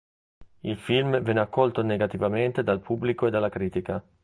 Il film venne accolto negativamente dal pubblico e dalla critica.